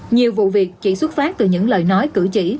nhiều vụ việc chỉ xuất phát từ những lời nói cử chỉ